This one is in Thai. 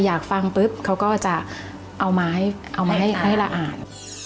อยากฟังปุ๊บเขาก็จะเอาไม้เอามาให้ละอ่าน